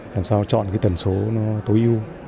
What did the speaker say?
làm sao chọn cái tần số nó tối ưu